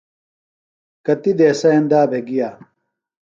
کتیۡ دیسہ ایندا بھےۡ گیہ۔